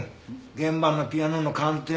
現場のピアノの鑑定。